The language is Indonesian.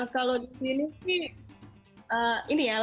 kalau di sini sih ini ya